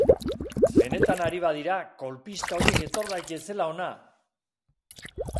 Benetan ari badira, kolpista horiek etor daitezela hona!